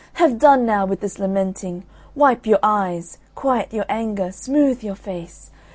have done now with this lamenting, wipe your eyes, quiet your anger, smooth your face.